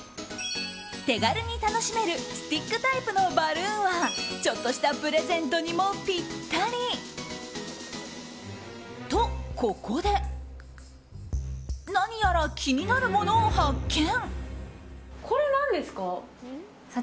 手軽に楽しめるスティックタイプのバルーンはちょっとしたプレゼントにもぴったり！と、ここで何やら気になるものを発見。